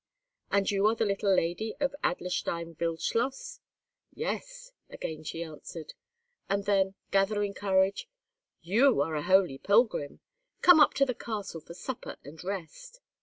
"And you are the little lady of Adlerstein Wildschloss?" "Yes," again she answered; and then, gathering courage—"You are a holy pilgrim! Come up to the castle for supper and rest."